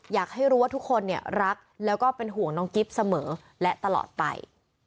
อยากให้รู้ว่าทุกคนรักแล้วก็เป็นห่วงน้องกิ๊บเสมอและตลอดไป